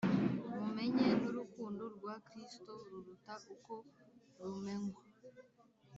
mumenye n'urukundo rwa Kristo ruruta uko rumenywa;